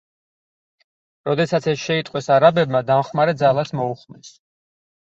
როდესაც ეს შეიტყვეს, არაბებმა დამხმარე ძალას მოუხმეს.